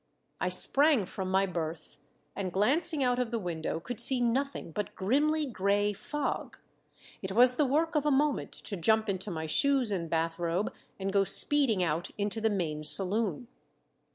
I sprang from my berth, and glancing out of the window could see nothing but grimly gray fog. It was the work of a moment to jump into my shoes and bathrobe, and go speeding out into the main saloon.